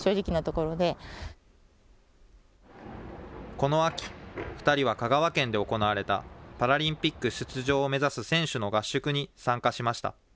この秋、２人は香川県で行われたパラリンピック出場を目指す選手の合宿に参加しました。